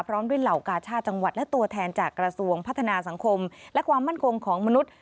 พร้อมด้วยเหล่ากาชาติจังหวัดและตัวแทนจากกระทรวงพัฒนาสังคมและความมั่นคงของมนุษย์